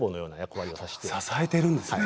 支えているんですね。